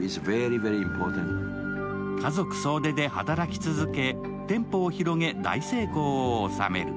家族総出で働き続け、店舗を広げ大成功を収める。